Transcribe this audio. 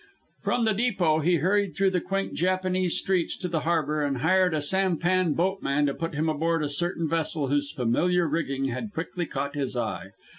From the depot he hurried through the quaint Japanese streets to the harbor, and hired a sampan boatman to put him aboard a certain vessel whose familiar rigging had quickly caught his eye.